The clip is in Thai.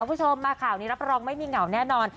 คุณผู้ชมมาข่าวนี้รับรองไม่มีเหงาแน่นอน